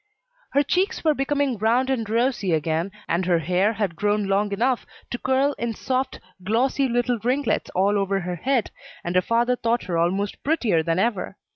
Her cheeks were becoming round and rosy again, and her hair had grown long enough to curl in soft, glossy little ringlets all over her head, and her father thought her almost prettier than ever.